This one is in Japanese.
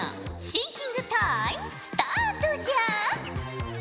シンキングタイムスタートじゃ！